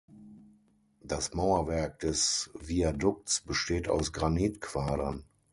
Das Mauerwerk des Viadukts besteht aus Granitquadern.